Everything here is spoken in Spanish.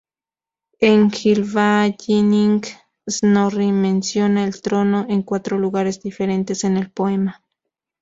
En Gylfaginning, Snorri menciona el trono en cuatro lugares diferentes en el poema.